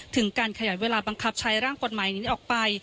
ถึงการขยายเวลาบังคับใช้ร่างกฎหมายนี้ออกไป